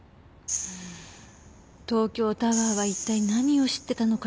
東京タワーは一体何を知ってたのかしら？